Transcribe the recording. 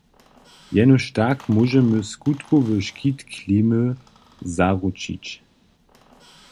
Jenož tak móžemy skutkowny škit klimy zaručić.